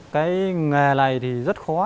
cái nghề này thì rất khó